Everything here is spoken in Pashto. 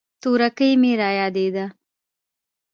تورکى مې رايادېده.